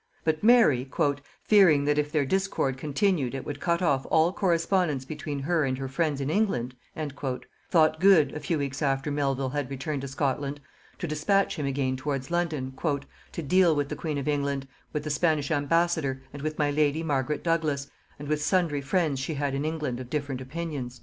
But Mary, "fearing that if their discord continued it would cut off all correspondence between her and her friends in England," thought good, a few weeks after Melvil had returned to Scotland, to dispatch him again towards London, "to deal with the queen of England, with the Spanish ambassador, and with my lady Margaret Douglas, and with sundry friends she had in England of different opinions."